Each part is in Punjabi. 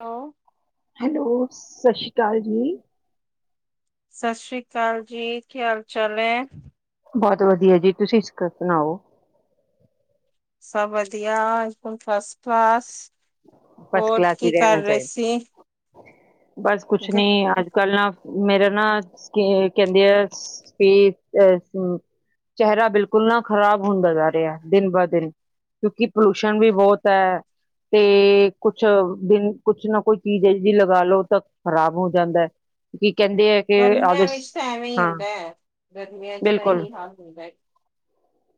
ਹੈਲੋ ਹੈਲੋ, ਸਤਿ ਸ਼੍ਰੀ ਅਕਾਲ ਜੀ ਸਤਿ ਸ੍ਰੀ ਅਕਾਲ ਜੀ। ਕੀ ਹਾਲ -ਚਾਲ ਹੈ ਬਹੁਤ ਵਧੀਆ ਜੀ ਤੁਸੀਂ ਇਸ ਸੁਣਾਓ ਸਭ ਵਧੀਆ ਫਰਸਟ ਕਲਾਸ ਫਸਟ ਹੋਰ ਕਲਾਸ ਹੀ ਕੀ ਕਰ ਰਹਿਣਾ ਰਹੇ ਚਾਹੀਦਾ। ਸੀ ਬਸ ਕੁਛ ਗ- ਨੀ, ਅੱਜ ਕੱਲ ਨਾ, ਮੇਰਾ ਨਾ, ਕਹਿੰਦੇ ਆ ਕਿ ਅ ਚਿਹਰਾ ਬਿਲਕੁਲ ਨਾ ਖ਼ਰਾਬ ਹੁੰਦਾ ਜਾ ਰਿਹਾ, ਦਿਨ ਬ ਦਿਨ, ਕਿਉਂਕਿ ਪੋਲਿਸ਼ਨ ਵੀ ਬਹੁਤ ਹੈ। ਤੇ ਕੁਛ ਦਿਨ, ਕੁਛ ਨਾ ਕੁਝ ਚੀਜ਼ ਇਹ ਜੀ ਲਗਾ ਲੋ ਤਾਂ ਖ਼ਰਾਬ ਹੋ ਜਾਂਦਾ ਹੈ। ਕੀ ਕਹਿੰਦੇ ਆ ਗਰਮੀਆਂ ਵਿੱਚ ਤਾਂ ਐਵੇਂ ਹੀ ਹੁੰਦਾ ਹੈ, ਗਰਮੀਆਂ ਚ ਤਾਂ ਬਿਲਕੁਲ ਇਹੀ ਹਾਲ ਹੁੰਦਾ ਹੈ।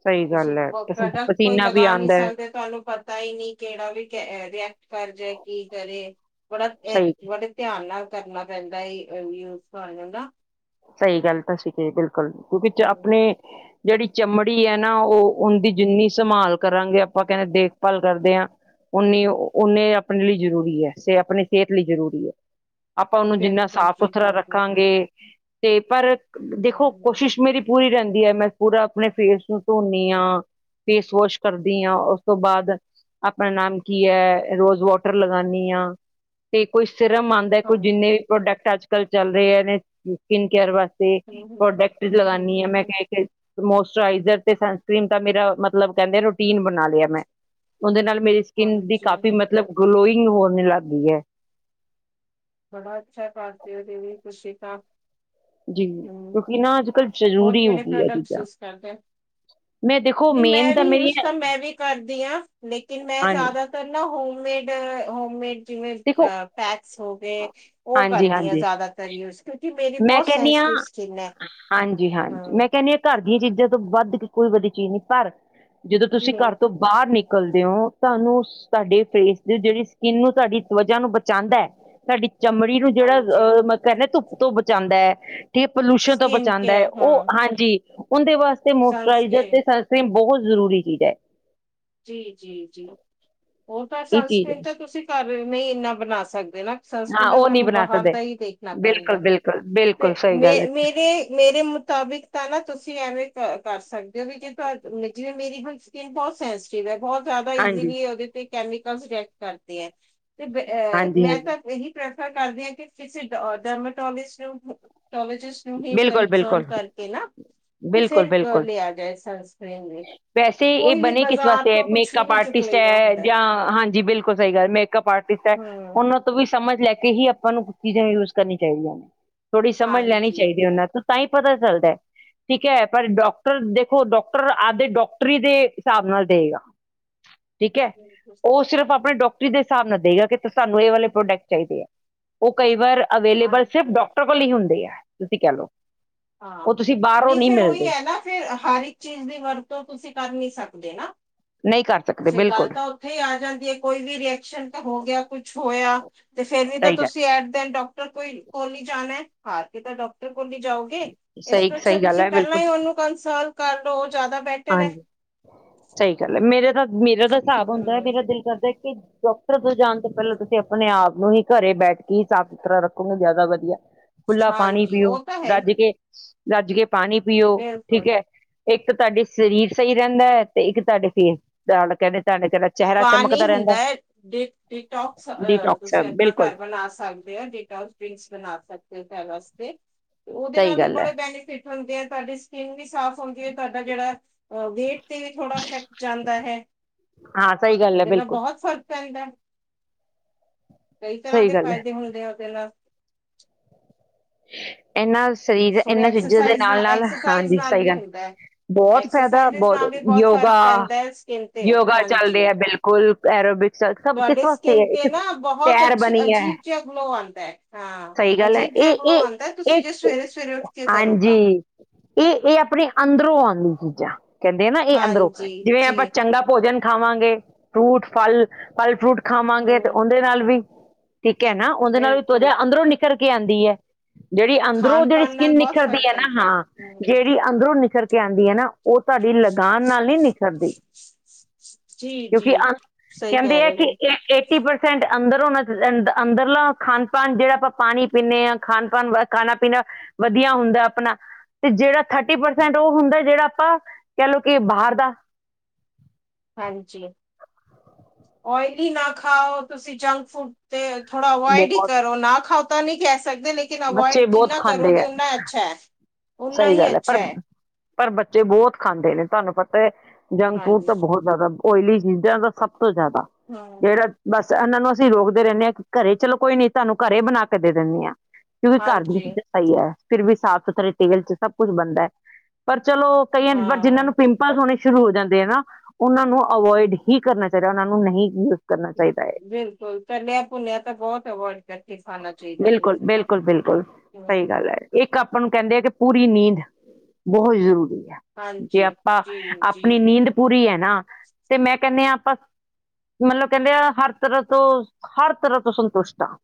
ਸਹੀ ਤੁਸੀਂ ਗੱਲ ਹੈ ਪ੍ਰੋਡਕਟ ਕੋਈ ਪਸੀਨਾ ਵੀ ਲਗਾ ਨਹੀਂ ਆਉਂਦਾ ਹੈ ਸਕਦੇ, ਤੁਹਾਨੂੰ ਪਤਾ ਪਤਾ ਹੀ ਨਹੀਂ, ਕਿਹੜਾ ਵੀ ਰਿਐਕਟ ਕਰ ਜੇ, ਕੀ ਕਰੇ ਬੜਾਇਹ ਸਹੀ ਬੜੇ ਧਿਆਨ ਨਾਲ ਕਰਨਾ ਪੈਂਦਾ ਯੂਜ, ਤੁਹਾਨੂੰ ਨਾ ਸਹੀ ਗੱਲ ਤਾਂ ਸੀ ਬਿਲਕੁਲ, ਕਿਉਂਕਿ ਹਮ, ਆਪਣੇ ਜਿਹੜੀ ਚਮੜੀ ਹੈ ਨਾ ਉਹ, ਉਹ ਦੀ ਜਿੰਨੀ ਸੰਭਾਲ ਕਰਾਂਗੇ ਆਪਾਂ ਕਹਿੰਦੇ ਦੇਖਭਾਲ ਕਰਦੇ ਹਾਂ ਓਨੀ ਓਨੇ ਆਪਣੇ ਲਈ ਜ਼ਰੂਰੀ ਹੈ, ਆਪਣੀ ਸਿਹਤ ਲਈ ਜ਼ਰੂਰੀ ਹੈ ਆਪਾਂ ਉਹਨੂੰ ਜਿੰਨਾ ਬਿਲਕੁਲ ਸਾਫ਼ ਜੀ ਸੁਥਰਾ ਬਿਲਕੁਲ। ਰੱਖਾਂਗੇ ਤੇ ਪਰ ਦੇਖੋ ਹਮ, ਕੋਸ਼ਿਸ਼ ਮੇਰੀ ਪੂਰੀ ਰਹਿੰਦੀ ਹੈ ਮੈਂ ਪੂਰਾ ਆਪਣੇ ਫੇਸ ਨੂੰ ਧੋਦੀ ਹਾਂ ਫੇਸ ਵਾਸ਼ ਕਰਦੀ ਹਾਂ ਉਸ ਤੋਂ ਬਾਅਦ ਆਪਣਾ ਨਾਮ ਕੀ ਹੈ? ਰੋਜ਼ ਵਾਟਰ ਲਗਾਉਦੀ ਹਾਂ ਤੇ ਕੋਈ ਸਿਰਮ ਆਉਂ ਦੇਖੋ ਜਿੰਨੇ ਹਾਂਜੀ। ਵੀ ਪ੍ਰੋਡਕਟ ਅੱਜ- ਕੱਲ੍ਹ ਚੱਲ ਰਹੇ ਹੈ ਨੇ ਸਕਿਨ ਕੇਅਰ ਵਾਸਤੇ ਹਮ, ਹਮ, ਪ੍ਰੋਡਕਟ ਜੋ ਹਮ, ਲਾਉਦੀ ਹਮ, ਆ, ਹਮ, ਮੈਂ ਹਮ, ਕਿਹਾ ਕੇ ਮੋਸਚਰਾਈਜ਼ਰ ਤੇ ਸਨਸ੍ਰੀਨ ਦਾ, ਮੇਰਾ ਮਤਲਬ ਕਹਿੰਦੇ ਰੂਟੀਨ ਬਣਾ ਲਿਆ ਮੈਂ। ਉਹਦੇ ਨਾਲ ਮੇਰੀ ਸਕਿੰਨ ਬੀ ਹਾਂਜੀ। ਕਾਫ਼ੀ, ਮਤਲਬ ਗਲੋਇੰਗ ਹੋਣ ਲੱਗ ਗਈ ਹੈ। ਬੜਾ ਅੱਛਾ ਹੈ ਕਰਦੇ ਉਹ ਦੀਦੀ ਤੁਸੀ ਤਾ। ਜੀ, ਕਿਉਂਕਿ ਨਾ ਅੱਜ- ਕੱਲ ਹੋਰ ਕਿਹੜੇ ਪ੍ਰੋਡਕਟਸ ਯੂਜ ਕਰਦੇ? ਮੈਂ ਦੇਖੋ ਨਹੀਂ ਮੇਨ ਮੈਂ ਵੀ ਮੇਰੀ ਯੂਜ ਤਾਂ ਮੈਂ ਵੀ ਕਰਦੀ ਹਾਂ, ਲੇਕਿਨ ਮੈਂ ਹਾਂਜੀ ਜ਼ਿਆਦਾ ਨਾ ਹੋਮਮੇਡ ਹੋਮਮੇਡ ਜਿਵੇਂ ਦੇਖੋ ਪੈਕਸ ਹੋ ਗਏ ਉਹ ਹਾਂਜੀ ਕਰਦੀ ਆ ਹਾਂਜੀ ਜ਼ਿਆਦਾਤਰ ਯੂਜ, ਕਿਉਂਕਿ ਮੇਰੀ ਬਹੁਤ ਸੈਂਸਟਿਵ ਸਕਿਨ ਹੈ। ਹਾਂਜੀ, ਹਾਂਜੀ ਹਾਂ ਮੈਂ ਕਹਿੰਦੀ ਹਾਂ ਘਰ ਦੀਆਂ ਚੀਜ਼ਾਂ ਤੋਂ ਵੱਧ ਕੇ ਕੋਈ ਵਧੀਆ ਚੀਜ਼ ਨਹੀਂ, ਪਰ- ਜਦੋਂ ਜੀ ਤੁਸੀਂ ਘਰ ਤੋਂ ਬਾਹਰ ਨਿਕਲਦੇ ਹੋ, ਤੁਹਾਨੂੰ- ਤੁਹਾਡੇ ਫੇਸ ਦੀ ਜਿਹੜੀ ਸਕਿੰਨ ਨੂੰ ਤੁਹਾਡੀ ਵਜਾ ਨੂੰ ਬਚਾਉਂਦਾ, ਸਾਡੀ ਚਮੜੀ ਨੂੰ ਜਿਹੜਾ ਹਾਂਜੀ ਅਹ ਕਹਿੰਦੇ ਧੁੱਪ ਤੋਂ ਬਚਾਉਂਦਾ ਹੈ। ਜ ਪੋਲਿਊਸ਼ਨ ਤੋਂ ਸਕਿਨ ਬਚਾਉਂਦਾ ਹੈ, ਕੇਅਰ ਉਹ ਹਾਂ ਹਾਂਜੀ ਉਹਦੇ ਵਾਸਤੇ ਮੋਇਸਚਰਾਈਜ਼ਰ ਸਨਸਕੇਅਰ ਤੇ ਬਹੁਤ ਜ਼ਰੂਰੀ ਚੀਜ਼ ਹੈ। ਜੀਜੀ ਜੀ ਉਹ ਤਾਂ ਇਹ ਚੀਜ਼ ਹੈ ਸਨਸਕ੍ਰੀਨ ਤਾਂ ਤੁਸੀਂ ਘਰ ਨਹੀਂ ਇੰਨਾ ਬਣਾ ਸਕਦੇ ਨਾ। ਹਾਂ ਸੰਸਕ੍ਰਿਨ ਉਹ ਨਹੀਂ ਤੁਹਾਨੂੰ ਬਣਾ ਬਾਹਰ ਸਕਦੇ ਦਾ ਹੀ ਦੇਖਣਾ ਪੈਂਦਾ ਹੈ, ਬਿਲਕੁਲ-ਬਿਲਕੁਲ-ਬਿਲਕੁਲ ਤੇ ਸਹੀ ਮੇ ਗੱਲ ਹੈ ਮੇਰੇ ਮੇਰੇ ਮੁਤਾਬਿਕ ਤਾਂ ਨਾ ਤੁਸੀਂ ਐਵੇਂ ਕਰ ਸਕਦੇ ਹੋ ਵੀ ਜੇ ਜਿਵੇਂ, ਮੇਰੀ ਹ ਸਕਿਨ ਬਹੁਤ ਸੇਂਸਤੀਵ ਬਹੁਤ ਜ਼ਿਆਦਾ ਈਜ਼ੀਲੀ ਉਹਦੇ ਤੇ ਕੈਮੀਕਲ ਰਿਐਕਟ ਕਰਦੇ ਹੈ। ਤੇ ਅਹ ਮੈਂ ਹਾਂਜੀ-ਹਾਂਜੀ-ਹਾਂਜੀ ਤਾਂ ਇਹੀ ਪ੍ਰੈਫਰ ਕਰਦੇ ਹ ਕਿ, ਕਿਸੇ ਡਰਮਾਟੋਲਿਸਟ ਟੋਲੋਜਿਸਟ ਤੁਸੀਂ ਕੰਨਸਰਨ ਬਿਲਕੁਲ-ਬਿਲਕੁਲ-ਬਿਲਕੁਲ-ਬਿਲਕੁਲ ਕਰਕੇ ਨਾ ਤੇ ਫਿਰ ਲਿਆ ਜਾਏ ਸਨਸਕ੍ਰੀਨ ਵੀ, ਕੋਈ ਵੀ ਬਾਜ਼ਾਰ ਤੋਂ ਕੁਛ ਵੀ ਮੇਕਅੱਪ ਨਹੀਂ ਚੁੱਕ ਆਰਟਿਸਟ ਲਈਦਾ ਹੈ, ਹੁੰਦਾ ਜਾਂ ਹਾਂਜੀ ਬਿਲਕੁਲ ਸਹੀ ਗੱਲ ਮੇਕਅਪ ਆਰਟਿਸਟ ਹੈ ਹਮ ਉਹਨਾਂ ਤੋਂ ਤੋਂ ਵੀ ਸਮਝ ਲੈ ਕੇ ਹੀ ਆਪਾਂ ਨੂੰ ਚੀਜ਼ਾਂ ਯੂਜ ਕਰਨੀਆਂ ਚਾਹੀਦੀਆਂ ਨੇ, ਥੋੜ੍ਹੀ ਸਮਝ ਲੈਣੀ ਹਾਂਜੀ ਤੂੰ ਤਾਂ ਹੀ ਪਤਾ ਚੱਲਦਾ। ਠੀਕ ਹੈ, ਪਰ ਡਾਕਟਰ ਦੇਖੋ, ਡਾਕਟਰ ਆਪਦੇ ਡਾਕਟਰੀ ਦੇ ਹਿਸਾਬ ਨਾਲ ਦੇਵੇਗਾ। ਠੀਕ ਹੈ, ਉਹ ਸਿਰਫ ਆਪਣੇ ਡਾਕ ਦੇ ਹਿਸਾਬ ਨਾਲ ਦੇਗਾ ਕਿ ਸਾਨੂੰ ਇਹ ਵਾਲੇ ਪ੍ਰੋਡਕਟ ਚਾਹੀਦੇ ਹੈ, ਉਹ ਕਈ ਵਾਰ ਅਵੇਲੇਬਲ ਸਿਰਫ ਹਾਂਜੀ ਡਾਕਟਰ ਲ ਹੀ ਹੁੰਦੇ ਆ, ਤੁਸੀਂ ਕਹਿ ਲਓ ਉਹ ਹਾਂ, ਤੁਸੀਂ ਬਾਹਰੋਂ ਨਹੀਂ ਫੇਰ ਉਹੀ ਮਿਲਦੇ ਹੈ ਨਾ ਫਿਰ, ਹਰ ਇੱਕ ਚੀਜ਼ ਦੀ ਵਰਤੋਂ ਤੁਸੀਂ ਕਰ ਨੀ ਸਕਦੇ ਨਾ। ਨਹੀਂ ਕਰ ਸਕਦਾ। ਸਹੀ ਗੱਲ ਤਾਂ ਉੱਥੇ ਹੀ ਆ ਜਾਂਦੀ ਹੈ, ਕੋਈ ਵੀ ਰੀਐਕਸ਼ਨ ਤੇ ਹੋ ਗਿਆ, ਕੁਛ ਹੋਇਆ ਤੇ ਫੇਰ ਵੀ ਤਾਂ ਸਹੀ ਗੱਲ ਤੁਸੀਂ ਐਟ ਦ ਐਂਡ ਡਾਕਟਰ ਕੋਈ ਕੋਲ ਹੀ ਜਾਣਾ, ਹਾਰ ਕੇ ਤਾਂ ਡਾਕਟਰ ਕੋਲ ਨੀ ਜਾਓਗੇ। ਇਸ ਸਹੀ ਤੋਂ ਅੱਛਾ ਸਹੀ ਗੱਲ ਤੁਸੀਂ ਹੈ ਪਹਿਲਾਂ ਬਿਲਕੁਲ ਹੀ ਉਹਨੂੰ ਕੰਸਲਟ ਕਰ ਲਓ ਜ਼ਿਆਦਾ ਬੈਟਰ ਹੈ ਹਾਂਜੀ ਸਹੀ ਗੱਲ ਏ ਮੇਰਾ ਤਾਂ ਮੇਰਾ ਦਾ ਸਾਬ ਹੁੰਦਾ ਹਮ ਮੇਰਾ ਦਿਲ ਕਰਦਾ ਕਿ ਦੋਂ ਜਾਨ ਤੋਂ ਪਹਿਲਾਂ ਤੁਸੀਂ ਆਪਨੇ ਆਪ ਨੂੰ ਹੀ ਘਰੇ ਬੈਠ ਕੇ ਹੀ ਸਾਫ਼ ਸੁਥਰਾ ਰੱਖੋਗੇ ਜ਼ਿਆਦਾ ਵਧੀਆ ਏ। ਖੁਲਾ ਪਾਨੀ ਹਾਂਜੀ ਪੀਓ ਉਹ ਤਾਂ ਹੈ ਹੀ ਰਜ ਕੇ। ਰਜ ਕੇ ਪਾਨੀ ਪੀਓ ਬਿਲਕੁਲ ਠੀਕ ਐ ਇੱਕ ਤੁਹਾਡੀ ਸਰੀਰ ਸਹੀ ਰਹਿੰਦਾ ਏ, ਤੇ ਇੱਕ ਤੁਹਾਡੇ ਫੇਰ [unintelligible] ਪਾਣੀ ਹੁੰਦਾ ਏ, ਡਿ, ਡਿਟੋਕਸ ਅਹ ਡੀਟੋਕਸ ਤੁਸੀਂ ਏਦਾਂ ਬਿਲਕੁਲ ਘਰ ਬਨਾ ਸਕਦੇ ਐ ਡਿਟੋਕਸ ਡਰਿੰਕਸ ਬਨਾ ਸਕਦੇ ਹੋ ਘਰ ਵਾਸਤੇ, ਤੇ ਓਹਦੇ ਨਾਲ ਸਹੀ ਵੀ ਗੱਲ ਹੈ ਬੜੇ ਬੈਨੀਫਿਟ ਹੁੰਦੇ ਏ, ਤੁਹਾਡੀ ਸਕਿੰਨ ਵੀ ਸਾਫ਼ ਹੁੰਦੀ ਏ, ਤੁਹਾਡਾ ਜਿਹੜਾ ਅ ਵੇਟ ਤੇ ਵੀ ਥੋੜਾ ਇਫੈਕਟ ਜਾਂਦਾ ਹੈ। ਹਾਂ ਸਹੀ ਗੱਲ ਹੈ ਉਹਦੇ ਨਾਲ ਬਿਲਕੁਲ ਬਹੁਤ ਫ਼ਰਕ ਪੈਂਦਾ, ਕਈ ਤਰ੍ਹਾਂ ਸਹੀ ਦੇ ਗੱਲ ਹੈ ਫਾਇਦੇ ਹੁੰਦੇ ਆ ਉਹਦੇ ਨਾਲ। ਇਹਨਾਂ ਸਰੀਰ ਥੋੜੇ ਇਹਨਾਂ ਚੀਜ਼ਾਂ ਦੇ ਐਕਸਰਸਾਈਜ਼ ਨਾਲ- ਨਾਲ ਐਕਸਰਸਾਈਜ਼ ਹਾਂਜੀ, ਨਾਲ ਸਹੀ ਵੀ ਗੱਲ ਹੁੰਦਾ ਹੈ ਬਹੁਤ ਫਾਇਦਾ, ਐਕਸਰਸਾਈਜ਼ ਨਾਲ ਬਹੁਤ ਵੀ ਫ਼ਰਕ ਯੋਗਾ ਪੈਂਦਾ ਹੈ ਸਕਿੰਨ ਤੇ ਯੋਗਾ ਹਾਂਜੀ ਚੱਲਦੇ ਹੈ ਬਿਲਕੁਲ ਕੁਲ ਐਰੋਬਿਕਸ ਸਭ ਕਿਸ ਤੁਹਾਡੇ ਵਾਸਤੇ ਸਕਿਨ ਤੇ ਐ ਨਾ ਬਹੁਤ ਸੈਰ ਅੱਛੀ ਬਨੀ ਐ। ਅਜੀਬ ਜਿਹਾ ਗਲੋ ਆਂਦਾ ਹੈ ਹਾਂ ਸਹੀ ਗੱਲ ਏ ਅਜੀਬ ਜਿਹਾ ਇਹ ਗਲੋ ਆਂਦਾ ਹੈ ਇਹ ਤੁਸੀਂ ਜੇ ਇਹ ਸਵੇਰੇ ਸਵੇਰੇ ਉੱਠ ਕੇ ਕਰੋ ਤਾਂ ਹਾਂਜੀ। ਇਹ ਇਹ ਆਪਨੇ ਅੰਦਰੋਂ ਆਉਂਦੀ ਚੀਜ਼ਾਂ। ਕਹਿੰਦੇ ਆ ਨਾ ਇਹ ਅੰਦਰੋਂ ਹਾਂਜੀ ਜਿਵੇਂ ਜੀ ਆਪਾਂ ਚੰਗਾ ਪੋਜਨ ਖਾਵਾਂਗੇ ਫਰੂਟ ਫਲ। ਫਲ ਫਰੂਟ ਖਾਵਾਂਗੇ ਤੇ ਹੂੰ ਓਹਦੇ ਨਾਲ ਵੀ ਠੀਕ ਐ ਨਾ ਓਹਦੇ ਨਾਲ ਵੀ ਤਵਾਚਾ ਬਿਲਕੁਲ ਅੰਦਰੋਂ ਨਿਕਲ ਕਰਕੇ ਆਂਦੀ ਐ, ਜਿਹੜੀ ਅੰਦਰੋਂ ਖਾਣ ਜਿਹੜੀ ਪਾਣ ਨਾਲ ਸਕਿੰਨ ਬਹੁਤ ਨਿਖਰਦੀ ਫ਼ਰਕ ਐ ਨਾ, ਪੈਂਦਾ ਹੈ ਹਾਂ, ਹੂੰ ਜਿਹੜੀ ਅੰਦਰੋਂ ਨਿਖਰਕੇ ਆਦੀ ਐ ਨਾ, ਓਹ ਤੁਹਾਡੀ ਲਗਾਨ ਨਾਲ ਨਹੀਂ ਨਿਖਰਦੀ। ਜੀ ਕਿਉਂਕਿ, ਜੀ ਅ ਸਹੀ ਕਹਿੰਦੇ ਕਹਿ ਏ ਰਹੇ ਕਿ, ਹੋ ਇੱਕ--ਏ ਟੀ ਪਰਸੈਂਟ ਅੰਦਰੋ ਹੋਨਾ'ਚ ਅੰ, ਅੰਦਰਲਾ ਖਾਨ-ਪਾਨ ਜਿਹੜਾ ਆਪਾਂ ਪਾਨੀ ਪੀਂਨੇ ਆ ਖਾਨ-ਪਾਨ ਵ ਖਾਣਾ-ਪੀਨਾ ਵਧੀਆ ਹੁੰਦਾ ਅਪਨਾ ਤੇ ਜਿਹੜਾ, ਥਰਟੀ ਪਰਸੈਂਟ ਓਹ ਹੁੰਦਾ ਜਿਹੜਾ ਆਪਾਂ, ਕਹਿ ਲਓ ਕਿ ਬਾਹਰ ਦਾ ਹਾਂਜੀ, ਔਈਲੀ ਨਾ ਖਾਓ, ਤੁਸੀਂ ਜੰਕ ਫੂਡ ਤੇ, ਥੋੜਾ ਅਵਇਡ ਹੀ ਬਹੁਤ ਕਰੋ, ਨਾ ਖਾਓ ਤਾਂ ਨਹੀ ਕਹਿ ਸਕਦੇੇ ਕਿਨ ਬੱਚੇ ਅਵਇਡ ਬਹੁਤ ਜਿੰਨਾ ਖਾਂਦੇ ਕਰੋਗੇ, ਆ ਓਨਾ ਅੱਛਾ ਐ। ਸਹੀ ਗੱਲ ਐ, ਪਰ-ਪਰ ਬੱਚੇ ਬਹੁਤ ਖਾਂਦੇ ਨੇ, ਤੁਹਾਨੂੰ ਪਤਾ ਏ ਜੰਕ-ਫੂਡ ਹਾਂਜੀ ਤਾਂ ਬਹੁਤ ਓਇਲੀ ਚੀਜ਼ਾਂ ਤਾ ਸਭ ਤੋਂ ਜ਼ਿਆਦਾ। ਹਾਂ ਜਿਹੜਾ ਬਸ ਇਹਨਾਂ ਨੂੰ ਅਸੀਂ ਰੋਕਦੇ ਰਹਿੰਦੇ ਆ, ਘਰੇ ਚਲੋ ਕੋਈ ਨੀ, ਤੁਹਾਨੂੰ ਘਰੇ ਬਨਾ ਕੇ ਦੇ ਦਿੰਨੇ ਆ। ਕਿਉਂਕਿ ਘਰ ਦੀ ਹਾਂਜੀ ਤਾ ਸਹੀ ਐ, ਫਿਰ ਵੀ ਸਾਫ਼ ਸੁਥਰੇ ਤੇਲ'ਚ ਸਭ ਕੁੱਛ ਬਨਦੈ, ਪਰ ਚਲੋ ਕਈਆਂ ਨ, ਜਿਹਨਾਂ ਹਾਂ ਨੂੰ ਪਿੰਮ ਪਲ ਹੋਨੇ ਸ਼ੁਰੂ ਹੋ ਜਾਂਦੇ ਆ ਨਾ, ਓਹਨਾਂ ਨੂੰ ਅਵੋਇਡ ਹੀ ਕਰਨਾ ਚਾਹੀਦਾ, ਓਹਨਾਂ ਨੂੰ ਨਹੀਂ ਕਰਨਾ ਚਾਹੀਦਾ ਹੈ ਬਿਲਕੁਲ ਤਲਿਆ-ਭੁੰਨਿਆ ਤਾਂ ਬਹੁਤ ਅਵੋਇਡ ਕਰਕੇ ਖਾਨਾ ਚਾਹੀਦਾ ਬਿਲਕੁਲ ਤੁਸੀ ਤਾਂ ਬਿਲਕੁਲ ਬਿਲਕੁਲ ਸਹੀ ਗੱਲ ਐ, ਇੱਕ ਆਪਾਂ ਨੂੰ ਕਹਿੰਦੇ ਆ ਕਿ, ਪੂਰੀ ਨੀਂਦ ਬਹੁਤ ਜ਼ਰੂਰੀ ਐ। ਜੇ ਹਾਂਜੀ ਆਪਾਂ, ਜੀ ਜੀ ਆਪਨੀ ਨੀਂਦ ਪੂਰੀ ਐ ਨਾ ਤੇ ਮੈਂ ਕਹਨਿ ਆ, ਆਪਾਂ ਮਤਲਬ ਕਹਿੰਦੇ ਆ, ਹਰ ਤਰੋਹ ਤੋਂ, ਹਰ ਤਰੋਹ ਤੋਂ ਸੰਤੁਸ਼ਟ ਆ।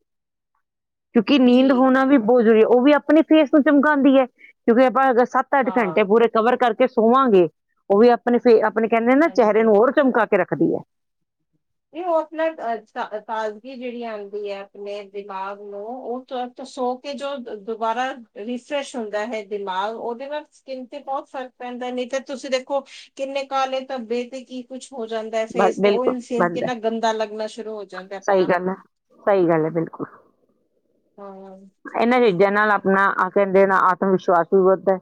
ਕਿਉਂਕਿ ਨੀਂਦ ਜੀ ਹੋਨਾ ਵੀ ਬਹੁਤ ਜ਼ਰੂਰੀ ਓਹ ਵੀ, ਆਪਨੀ ਫੇਸ ਨੂੰ ਚਮਕਾਉਂਦੀ ਐ, ਕਿਉਂਕਿ ਆਪਾਂ ਅ ਸੱਤ ਅੱਠ ਘੰਟੇ ਹਾਂ ਪੂਰੇ ਕਵਰ ਕਰਕੇ ਸੋਵਾਂਗੇ, ਓਹ ਵੀ ਆਪਨੇ ਫੇ, ਆਪਨੇ ਕਹਿੰਦੇ ਨਾ ਚਿਹਰੇ ਹਾਂਜੀ। ਨੂੰ, ਹੋਰ ਚਮਕਾਕੇ ਰੱਖ ਵਦੀਆ ਏ। ਨਹੀਂ ਓਹ ਆਪਨਾ ਅ, ਤਾਜ਼ਗੀ ਜਿਹੜੀ ਆਉਂਦੀ ਐ, ਆਪਨੇ ਦਿਮਾਗ ਨੂੰ ਓਹ ਤਤ ਸੋਕੇ ਜੋ, ਦੁਬਾਰਾ ਰੀਫਰੈਸ਼ ਹੁੰਦਾ ਹੈ ਦਿਮਾਗ, ਓਹਦੇ ਨਾਲ ਸਕਿੰਨ ਤੇ ਬਹੁਤ ਫ਼ਰਕ ਪੈਂਦਾ, ਨਹੀਂ ਤਾਂ ਤੁਸੀਂ ਦੇਖੋ, ਕਿੰਨੇ ਕਾਲੇ ਧੱਬੇ ਤੇ ਕੀ ਕੁਛ ਹੋ ਜਾਂਦਾ ਬ ਫੇਸ ਤੇ, ਬਿਲਕੁਲ ਓਹ ਫੇਸ ਬੰਦ ਹੈ ਕਿੰਨਾ ਗੰਦਾ ਲੱਗਨਾ ਸ਼ੁਰੂ ਹੋ ਜਾਂਦਾ ਸਹੀ ਆਪਨਾ। ਗੱਲ ਹੈ ਸਹੀ ਗੱਲ ਐ, ਬਿਲਕੁਲ। ਹੰ। ਇਹਨਾਂ ਚੀਜ਼ਾਂ ਨਾਲ ਆਪਨਾ ਆਹ ਕਹਿੰਦੇ ਨਾ, ਆਤਮ ਵਿਸ਼ਵਾਸ ਵੀ ਵਦਦਾ ਏ,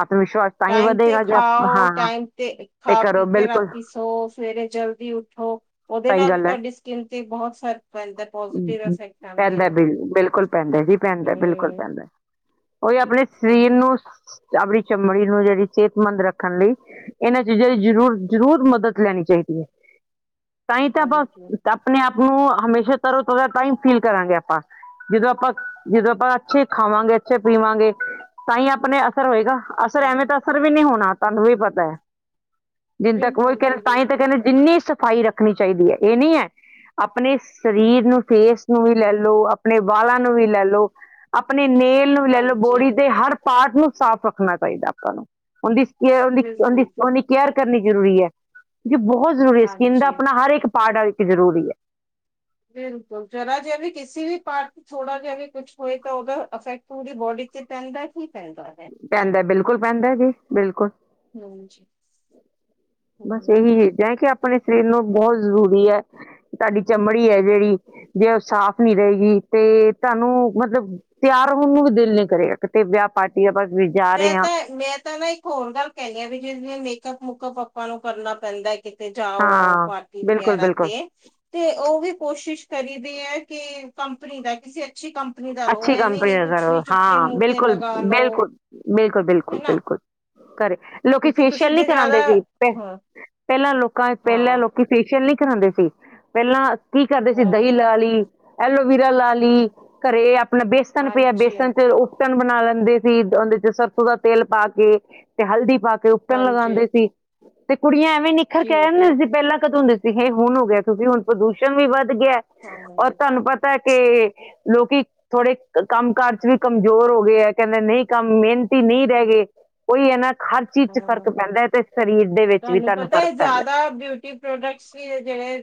ਆਤਮ ਵਿਸ਼ਵਾਸ ਤਾਂ ਹੀ ਟਾਈਮ ਤੇ ਵਧੇਗਾ ਜੇ ਆਪਾਂ ਖਾਓ, ਹਾਂ ਟਾਈਮ ਤੇ ਕਰੋ ਖਾ-ਪੀਕੇ ਬਿਲਕੁਲ ਰਾਤੀ ਸੌਵ ਸਵੇਰੇ ਜਲਦੀ ਉੱਠੋ। ਉਹਦੇ ਸਹੀ ਨਾਲ ਵੀ ਗੱਲ ਹੈ। ਤੁਹਾਡੀ ਸਕਿਨ ਤੇ ਬਹੁਤ ਸਰਕ ਪੈਂਦਾ, ਪੌਜੀਟੀਵ ਅਫੈਕਟ ਪੈਂਦਾ ਆਂਦੇਨ। ਬਿਲ ਬਿਲਕੁਲ ਪੈਂਦਾ ਜੀ ਪੈਂਦਾ, ਬਿਲਕੁਲ ਪੈਂਦਾ। ਉਹੀ ਆਪਣੇ ਸਰੀਰ ਹੂੰ, ਨੂੰ ਆਪਣੀ ਚਮੜੀ ਨੂੰ ਜਿਹੜੀ ਸਿਹਤਮੰਦ ਰੱਖਣ ਲਈ ਇਹਨਾਂ ਚੀਜ਼ਾਂ ਦੀ ਜ਼ਰੂਰ-ਜ਼ਰੂਰ ਮਦਦ ਲੈਣੀ ਚਾਹੀਦੀ ਏ। ਤਾਂ ਹੀ ਤਾਂ ਆਪਾਂ, ਹਾਂਜੀ ਆਪਣੇ ਆਪ ਨੂੰ ਹਮੇਸ਼ਾ ਤਰੋ-ਤਾਰ੍ਹਾਂ, ਤਾਂ ਹੀ ਫੀਲ ਕਰਾਂਗੇ ਆਪਾਂ। ਜਦੋਂ ਆਪਾ, ਜਦੋ ਆਪਾ, ਅੱਛੇ ਖਾਵਾਂਗੇ, ਅੱਛੇ ਪੀਵਾਂਗੇ, ਤਾਂ ਹੀ ਆਪਣੇ ਅਸਰ ਹੋਏਗਾ। ਅਸਰ ਐਵੇਂ ਹੂੰ, ਤਾਂ ਅਸਰ ਵੀ ਨਹੀਂ ਹੋਣਾ ਤੁਹਾਨੂੰ ਵੀ ਪਤਾ ਹੈ। ਜਿੰਨ ਤੱਕ ਉਹੀ ਬਿਲਕੁਲ ਜੀ ਕਹਿੰਦੇ ਤਾਂ ਹੀ ਤੱਕ ਬਿਲਕੁਲ ਕਹਿੰਦੇ ਜਿੰਨੀ ਸਫਾਈ ਰੱਖਣੀ ਚਾਹੀਦੀ ਹੈ। ਇਹ ਨਹੀਂ ਹੈ ਆਪਣੇ ਸਰੀਰ ਨੂੰ ਫੇਸ ਨੂੰ ਵੀ ਲੈ ਲਓ। ਆਪਣੇ ਵਾਲਾਂ ਨੂੰ ਵੀ ਲੈ ਲਓ। ਆਪਣੇ ਨੇਲ ਨੂੰ ਵੀ ਲੈ ਲਓ ਹਾਂਜੀ ਬੋਡੀ ਦੇ ਹਰ ਪਾਾਰਟ ਨੂੰ ਸਾਫ਼ ਰੱਖਣਾ ਚਾਹੀਦਾ ਆਪਾਂ ਨੂੰ, ਉਂਹਦੀ, ਉਂਹਦੀ ਬਿਲਕੁਲ ਜੀ ਉਂਹਦੀ ਕੇਅਰ ਕਰਨੀ ਜ਼ਰੂਰੀ ਏ। ਕੀ ਬਹੁਤ ਜ਼ਰੂਰੀ ਏ, ਸਕਿੰਨ ਦਾ ਹਾਂਜੀ ਆਪਣਾ ਹਰ ਇੱਕ ਪਾਰਟ ਇੱਕ ਜਰੂਰੀ ਹੈ। ਬਿਲਕੁਲ ਜਰਾ ਜੇ ਵੀ, ਕਿਸੇ ਵੀ ਪਾਰਟ ਥੋੜਾ ਜਿਹਾ ਵੀ ਕੁਛ ਹੋਏ ਤਾਂ ਓਹਦਾ ਅਫੇਕਟ, ਪੂਰੀ ਬੋਡੀ ਤੇ ਪੈਂਦਾ ਹੀ ਪੈਂਦਾ। ਹੈ ਪੈਂਦਾ। ਬਿਲਕੁਲ ਪੈਂਦਾ ਜੀ, ਬਿਲਕੁਲ। ਹਾਂਜੀ, ਹੂੰ। ਆਪਨੇ ਸਰੀਰ ਨੂੰ ਬਹੁਤ ਜ਼ਰੂਰੀ ਐ, ਤੁਹਾਡੀ ਚਮੜੀ ਹੈ ਜਿਹੜੀ ਜੇ ਉਹ ਸਾਫ਼ ਨੀ ਰਹੇਗੀ, ਤੇ ਤੁਹਾਨੂੰ ਮਤਲਬ ਤਿਆਰ ਹੋਣ ਨੂੰ ਵੀ ਦਿਲ ਨੀ ਕਰੇਗਾ, ਕਿਤੇ ਵਿਆਹ, ਪਾਰਟੀ ਆਪਾਂ ਜਾ ਮੈਂ ਰਹੇ ਹਾਂ ਤਾਂ ਮੈਂ, ਤਾਂ ਨਾ ਹੋਰ ਗੱਲ ਕਹਿੰਦੇ ਆ ਵੀ ਜੇ ਮੇਕਅਪ ਮੁੂਕਅਪ ਆਪਾਂ ਨੂੰ ਕਰਨਾ ਪੈਂਦਾ ਐ। ਕਿਤੇ ਜਾਓ ਆਓ ਹਾਂ ਪਾਰਟੀ ਬਿਲਕੁਲ ਵਗੈਰਾ ਬਿਲਕੁਲ ਤੇ। ਤੇ ਉਹ ਵੀ ਕੋਸ਼ਿਸ਼ ਕਰੀਦੀ ਹੈ ਕਿ ਕੰਪਨੀ ਦਾ ਕਿਸੇ ਅੱਛੀ ਕੰਪਨੀ ਦਾ ਲਓ। ਅੱਛੀ ਐਵੇਂ ਕੰਪਨੀ ਨਹੀਂ ਦਾ ਕੁਛ ਕਰੋ ਵੀ ਚੁੱਕ ਕੇ ਹਾਂ ਮੂੰਹ ਤੇ ਬਿਲਕੁਲ ਲਗਾ ਲਓ। ਬਿਲਕੁਲ ਬਿਲਕੁਲ ਬਿਲਕੁਲ ਬਿਲਕੁਲ ਕਰੇ। ਲੋਕੀ ਕਿਉਂਕਿ ਤੁਸੀਂ ਫੇਸ਼ੀਅਲ ਨੀ ਜੇ ਜ਼ਿਆਦਾ ਕਰਾਉਂਦੇ ਸੀ। ਹਾਂ ਪਹਿਲਾਂ ਲੋਕਾਂ ਪਹਿਲਾਂ ਹਾਂ ਲੋਕ ਕਿ ਫੇਸ਼ੀਅਲ ਨਹੀਂ ਕਰਾਉਂਦੇ ਸੀ। ਪਹਿਲਾਂ ਕੀ ਕਰਦੇ ਸੀ ਦਹੀਂ ਹਾਂ ਲਾ ਲਈ। ਐਲੋਵੀਰਾ ਲਾ ਲਈ। ਘਰੇ ਆਪਣਾ ਬੇਸਨ ਪਿਆ ਹਾਂਜੀ ਬੇਸਣ ਚ ਉਹ ਉਬਟਨ ਬਣਾ ਲੈਂਦੇ ਸੀ ਉਹਦੇ ਚ ਸਰਸੋਂ ਦਾ ਤੇਲ ਪਾ ਕੇ ਤੇ ਹਲਦੀ ਪਾ ਤੇ ਉਬਟਨ ਹਾਂਜੀ ਲਗਾਉਂਦੇ ਸੀ ਤੇ ਕੁੜੀਆਂ ਐਵੇਂ ਨਿਖਰ ਜੀ ਕੇ ਆ ਜਾਂਦੀਆਂ ਜੀ ਹੁੰਦੀਆਂ ਸੀ ਪਹਿਲਾਂ ਕਦੋਂ ਹੁੰਦੇ ਇਹ ਹੁਣ ਹੋ ਗਿਆ ਕਿਉਂਕਿ ਹੁਣ ਪ੍ਰਦੂਸ਼ਣ ਵੀ ਵੱਧ ਗਿਆ ਐ ਹਾਂ ਔਰ ਤੁਹਾਨੂੰ ਪਤਾ ਐ ਕਿ ਲੋਕੀ ਥੋੜੇ ਕੰਮ ਕਾਰ ਚ ਵੀ ਕਮਜ਼ੋਰ ਹੋ ਗਏ ਹੈ ਕਹਿੰਦੇ ਨਹੀਂ ਕੰਮ ਮਿਹਨਤੀ ਨਹੀਂ ਰਹਿ ਗਏ। ਉਹੀ ਹੈ ਨਾ ਹਰ ਚੀਜ਼ ਚ ਫ਼ਰਕ ਹਾਂ ਪੈਂਦਾ ਹੈ ਤੇ ਸਰੀਰ ਦੇ ਵਿੱਚ ਵੀ ਤੁਹਾਨੂੰ ਪਤਾ ਹੈ ਫ਼ਰਕ ਪੈਂਦਾ ਜ਼ਿਆਦਾ ਬਿਊਟੀ ਪ੍ਰੋਡਕਟਸ ਵੀ ਜਿਹੜੇ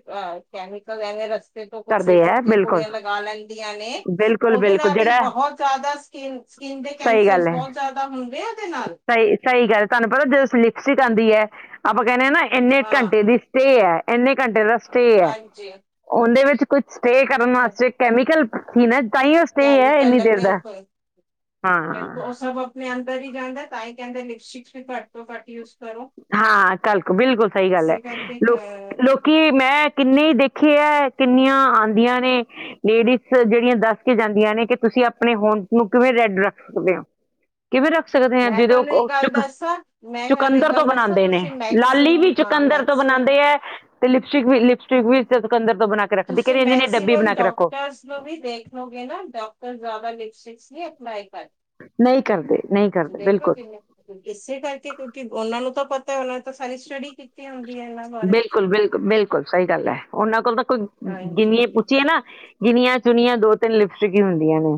ਕੈਮੀਕਲ ਐਵੇਂ ਰਸ ਤੇ ਤੋਂ ਕੁਛ ਇਹ ਕਰਦੇ ਚੁੱਕ ਆ ਕੇ ਬਿਲਕੁਲ ਕੁੜੀਆਂ ਲਗਾ ਲੈਂਦੀਆਂ ਨੇ। ਬਿਲਕੁਲ ਉਹਦੇ ਬਿਲਕੁਲ ਨਾਲ ਹੀ ਜਿਹੜਾ ਬਹੁਤ ਜ਼ਿਆਦਾ ਸਕਿਨ ਸਕਿਨ ਦੇ ਸਹੀ ਕੈਂਸਰ ਗੱਲ ਹੈ ਬਹੁਤ ਜ਼ਿਆਦਾ ਹੁੰਦੇ ਆ ਉਹਦੇ ਨਾਲ। ਸਹੀ ਸਹੀ ਗੱਲ ਹੈ ਤੁਹਾਨੂੰ ਪਤਾ ਜਦੋਂ ਸਲਿਪਸਿਕ ਆਉਂਦੀ ਹੈ ਆਪਾਂ ਕਹਿੰਦੇ ਹ ਨਾ ਇੰਨੇ ਹਾਂ ਘੰਟੇ ਦੀ ਸਟੇਅ ਹੈ ਇੰਨੇ ਘੰਟੇ ਦਾ ਸਟੇਅ ਹੈ। ਹਾਂਜੀ ਉਹਦੇ ਵਿੱਚ ਕੁਛ ਸਟੇਅ ਕਰਨ ਵਾਸਤੇ ਕੈਮੀਕਲ ਠ ਨਾ ਤਾਂ ਉਹ ਸਟੇ ਹੈ ਕੈਮੀਕਲ ਇੰਨੀ ਦੇਰ ਲੱਗੇ ਦਾ ਬਿਲਕੁਲ ਹਾਂ ਮੈਂ ਅੰਤਰ ਹੀ ਜਾਂਦਾ ਤਾਂ ਹੀ ਕਹਿੰਦੇ ਲਿਪਸਟਿਕ ਵੀ ਘੱਟ ਤੋਂ ਘੱਟ ਯੂਜ਼ ਕਰੋ ਹਾਂ ਕੱਲ ਬਿਲਕੁਲ ਸਹੀ ਗੱਲ ਹੈ ਇਸੇ ਕਰਕੇ ਲੋਕ ਹਾਂ ਲੋਕ ਕਿ ਮੈਂ ਕਿੰਨੇ ਹੀ ਦੇਖੇ ਹੈ ਕਿੰਨੀਆਂ ਆਉਂਦੀਆਂ ਨੇ। ਲੇਡੀਜ਼ ਜਿਹੜੀਆਂ ਦੱਸ ਕੇ ਜਾਂਦੀਆਂ ਨੇ ਕਿ ਤੁਸੀਂ ਆਪਣੇ ਹੋਂਠ ਨੂੰ ਕਿਵੇਂ ਰੈੱਡ ਰੱਖ ਸਕਦੇ ਹੋ। ਕਿਵੇਂ ਰੱਖ ਸਕਦੇ ਹਾਂ ਮੈਂ ਜਦੋਂ ਤੁਹਾਨੂੰ ਇੱਕ ਉਹ ਗੱਲ ਦੱਸਾਂ ਮੈਂ ਤੁਹਾਨੂੰ ਇੱਕ ਚੁਕੰਦਰ ਤੋਂ ਗੱਲ ਦੱਸਾਂ ਬਣਾਉਂਦੇ ਨੇ। ਤੁਸੀਂ ਮੈਕਸਿਮ ਲਾਲੀ ਵੀ ਹਾਂ ਚੁਕੰਦਰ ਤੋਂ ਮੈਕਸਿਮ ਬਣਾਉਂਦੇ ਹੈ। ਤੇ ਲਿਪਸਟਿਕ ਵੀ ਲਿਪਸਟਿਕ ਵੀ ਚੁਕੰਦਰ ਤੋਂ ਬਣਾ ਕੇ ਰੱਖਦੀ ਤੁਸੀਂ ਕਹਿੰਦੇ ਇਹਦੀ ਨਾ ਡੱਬੀ ਬਣਾ ਮੈਕਸੀਮਮ ਕੇ ਰੱਖੋ। ਡਾਕਟਰਸ ਵੀ ਦੇਖ ਲੋਗੇ ਨਾ ਡਾਕਟਰ ਜ਼ਿਆਦਾ ਲਿਪਸਟਿਕਸ ਅਪਲਾਈ ਨਹੀਂ ਨਹੀਂ ਨਹੀਂ ਕਰਦੇ। ਕਰਦੇ ਦੇਖੋ ਬਿਲਕੁਲ ਜਿੰਨੇ ਇਸੇ ਕਰਕੇ ਕਿਉਂਕਿ ਉਹਨਾਂ ਨੂੰ ਤਾਂ ਪਤਾ ਐ। ਉਹਨਾਂ ਨੇ ਤਾਂ ਸਾਰੀ ਸਟੱਡੀ ਕੀਤੀ ਹੁੰਦੀ ਹੈ ਇਹਨਾਂ ਬਾਰੇ। ਬਿਲਕੁਲ ਬਿਲਕੁਲ ਬਿਲਕੁਲ ਸਹੀ ਗੱਲ ਹੈ ਉਹਨਾਂ ਕੋਲ ਤਾਂ ਕੋਈ ਹਾਂਜੀ ਗਿਣਏ ਪੁੱਛੀਏ ਨਾ। ਗਿਨੀਆਂ ਚੁਣੀਆਂ ਦੋ ਤਿੰਨ ਲਿਪਸਟਿਕ ਹੀ ਹੁੰਦੀਆਂ ਨੇ।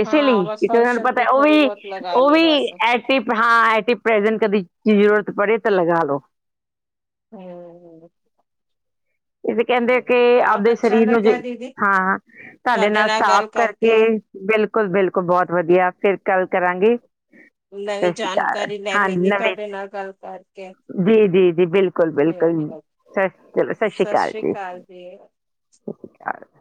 ਇਸੇ ਹਾਂ ਲਈ ਬਸ ਕਿ ਉਹਨਾਂ ਨੂੰ ਫੰਕਸ਼ਨ ਪਤਾ ਤੇ ਉਹ ਥੋੜ੍ਹੀ ਵੀ ਬਹੁਤ ਲਗਾ ਉਹ ਲਈ ਵੀ ਬਸ ਇਹ ਸਿਰਫ ਹਾਂ ਏਦੀ ਪ੍ਰੇਜੈਂਟ ਕਦੀ ਜ਼ਰੂਰਤ ਪੜੇ ਤਾਂ ਲਗਾ ਲਉ। ਹੂੰ। ਇਹਦੇ ਕਹਿੰਦੇ ਆ ਕਿ ਬਹੁਤ ਆਪਦੇ ਅੱਛਾ ਸਰੀਰ ਨੂੰ ਲੱਗਿਆ ਦੀਦੀ ਹਾਂ ਤੁਹਾਡੇ ਨਾਲ ਸਾਫ ਕਰਕੇ ਬਿਲਕੁਲ ਬਿਲਕੁਲ ਬਹੁਤ ਵਧੀਆ ਫਿਰ ਕੱਲ ਕਰਾਂਗੇ। ਸਤਿ ਨਵੀਂ ਸ਼੍ਰੀ ਅਕਾਲ ਜਾਣਕਾਰੀ ਲੈ ਹਾਂ ਮਿਲੀ ਨਵੇਂ ਤੁਹਾਡੇ ਨਾਲ ਗੱਲ ਕਰਕੇ। ਜੀ- ਜੀ- ਜੀ ਬਿਲਕੁਲ- ਬਿਲਕੁਲ ਹਮ, ਸਲ ਸਤਿ ਸ਼੍ਰੀ ਅਕਾਲ ਜੀ। [unintelligible]